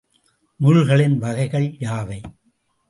முகில்களின் வகைகள் யாவை?